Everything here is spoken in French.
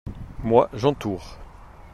Moi, j’entoure.